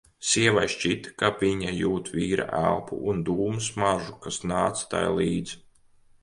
Sievai šķita, ka viņa jūt vīra elpu un dūmu smaržu, kas nāca tai līdz.